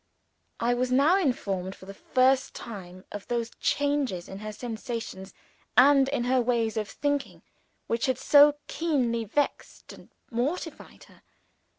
I was now informed, for the first time, of those changes in her sensations and in her ways of thinking which had so keenly vexed and mortified her.